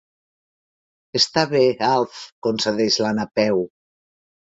Està bé, Alf —concedeix la Napeu—.